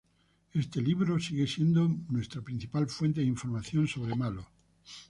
Este libro sigue siendo nuestra principal fuente de información sobre Malo.